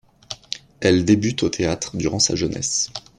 Elle débute au théâtre durant sa jeunesse.